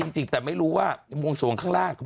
จริงแต่ไม่รู้ว่าในวงสวงข้างล่าง